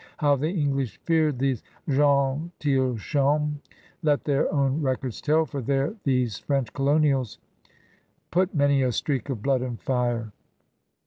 How the English feared these gentilshommes let their own records tell, for there these French colonials put many a streak of blood and fire.